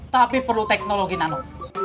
tapi perlu teknologi nano